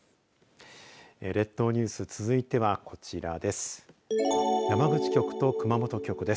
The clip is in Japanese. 列島ニュース続いてはこちらです。